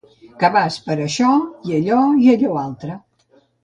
Que vas per això i allò i allò altre